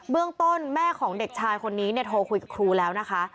เรื่องต้นแม่ของเด็กชายคนนี้โทรคุยกับครูแล้วนะคะ